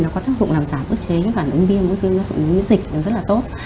nó có tác dụng làm giảm ức chế những bản ứng biêm dịch rất là tốt